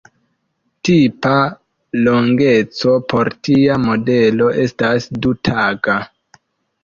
Tipa longeco por tia modelo estas du-taga.